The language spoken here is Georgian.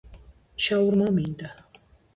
შაურმა მინდა